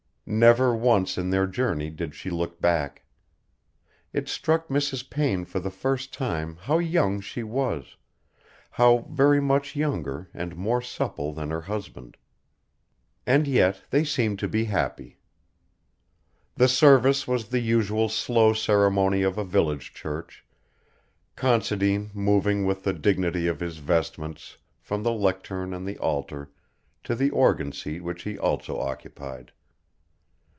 Never once in their journey did she look back. It struck Mrs. Payne for the first time how young she was, how very much younger and more supple than her husband. And yet they seemed to be happy. The service was the usual slow ceremony of a village church, Considine moving with the dignity of his vestments from the lectern and the altar to the organ seat which he also occupied.